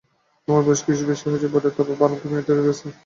তোমার বয়স কিছু বেশি হয়েছে বটে, তা এমন বাড়ন্ত মেয়ে ঢের আছে।